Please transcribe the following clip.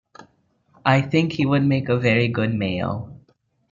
I think he would make a very good mayo.